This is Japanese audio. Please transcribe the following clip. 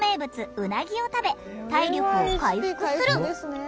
うなぎを食べ体力を回復する！